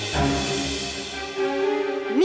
dia bukan anak mama